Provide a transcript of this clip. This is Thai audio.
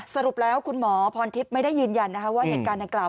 สรุปแล้วคุณหมอพรทิพย์ไม่ได้ยืนยันว่าเหตุการณ์ดังกล่าว